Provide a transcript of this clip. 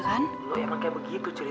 kamu pikir aku nih apa sih